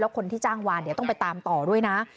แล้วคนที่จ้างวานต้องไปตามต่อด้วยนะ